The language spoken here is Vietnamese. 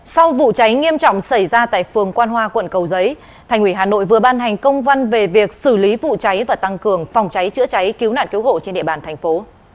sau vụ cháy nghiêm trọng xảy ra tại phường quan hoa quận cầu giấy thành ủy hà nội vừa ban hành công văn về việc xử lý vụ cháy và tăng cường phòng cháy chữa cháy cứu nạn cứu hộ trên địa bàn thành phố